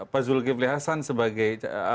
pak zulkifli hasan sebagai